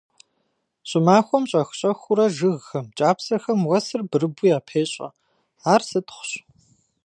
Щӏымахуэм щӏэх-щӏэхыурэ жыгхэм, кӏапсэхэм уэсыр бырыбу япещӏэ, ар сытхъущ.